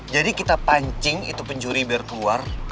jadi kita pancing itu pencuri biar keluar